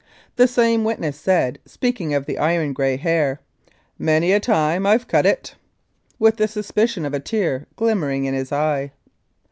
The same witness said, speaking of the iron grey hair, "Many a time I've cut it !" with the suspicion of a tear glimmering in his eye.